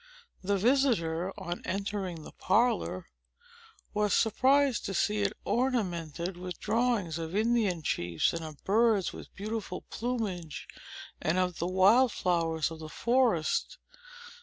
The visitor, on entering the parlor, was surprised to see it ornamented with drawings of Indian chiefs, and of birds with beautiful plumage, and of the wild flowers of the forest.